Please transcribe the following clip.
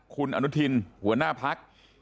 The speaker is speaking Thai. คุณอนุทินหัวหน้าพัก